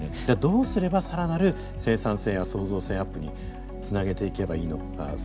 じゃあどうすれば更なる生産性や創造性アップにつなげていけばいいのか